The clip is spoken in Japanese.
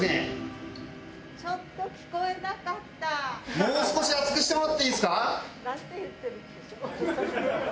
もう少し熱くしてもらっていいですか？